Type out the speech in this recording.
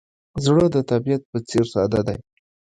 زړه د طبیعت په څېر ساده دی.